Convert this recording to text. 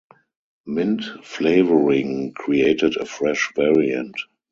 Mint flavouring created a fresh variant.